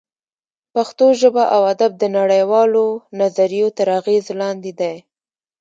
پښتو ژبه او ادب د نړۍ والو نظریو تر اغېز لاندې دی